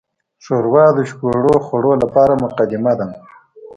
ښوروا د شګوړو خوړو لپاره مقدمه ده.